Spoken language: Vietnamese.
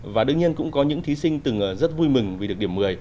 và đương nhiên cũng có những thí sinh từng rất vui mừng vì được điểm một mươi